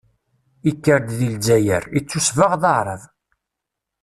Ikker-d di lezzayer, ittusbeɣ d aɛṛab.